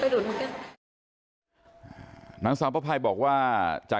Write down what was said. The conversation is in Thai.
นางสามพะพายอ่ะเขาอย่างงี้ก็ยังไม่รู้ว่าจะทำอย่างไรต่อง